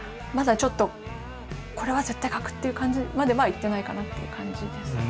ちょっとこれは絶対描くっていう感じまではいってないかなって感じですけどね。